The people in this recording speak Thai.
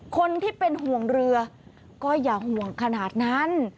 คนที่เป็นห่วงเรือก็อย่าห่วงขนาดนั้น